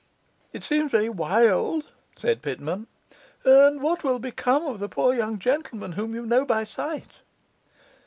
'It seems very wild,' said Pitman. 'And what will become of the poor young gentleman whom you know by sight?